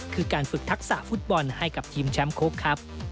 คือการฝึกทักษะฟุตบอลให้กับทีมแชมป์โค้กครับ